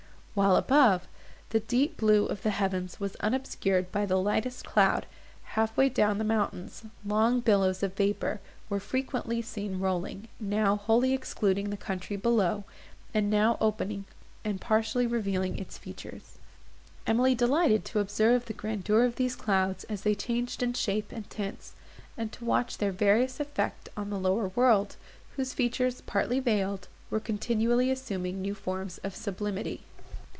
While, above, the deep blue of the heavens was unobscured by the lightest cloud, half way down the mountains, long billows of vapour were frequently seen rolling, now wholly excluding the country below, and now opening, and partially revealing its features. Emily delighted to observe the grandeur of these clouds as they changed in shape and tints, and to watch their various effect on the lower world, whose features, partly veiled, were continually assuming new forms of sublimity.